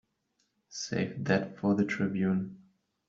Save that for the Tribune.